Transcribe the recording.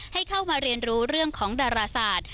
ให้เข้ามาเรียนรู้เรื่องของดาราศาสตร์